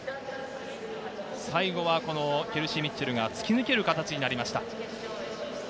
最後はケルシー・ミッチェルがつき抜ける形になりました。